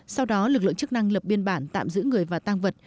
sau đó lực lượng chức năng lập biên bản tạm giữ người và tăng vật